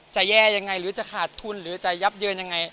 แย่ยังไงหรือจะขาดทุนหรือจะยับเยินยังไง